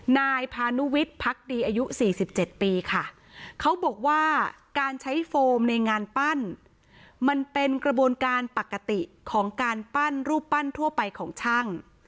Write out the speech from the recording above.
นายพานุวิทย์พักดีอายุ๔๗ปีค่ะเขาบอกว่าการใช้โฟมในงานปั้นมันเป็นกระบวนการปกติของการปั้นรูปปั้นทั่วไปของช่าง